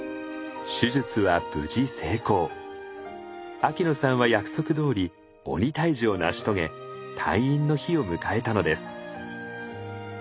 秋野さんは約束どおり鬼退治を成し遂げ退院の日を迎えたのです。